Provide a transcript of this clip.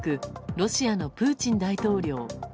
ロシアのプーチン大統領。